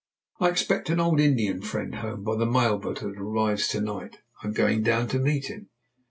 "I expect an old Indian friend home by the mail boat that arrives to night. I am going down to meet him."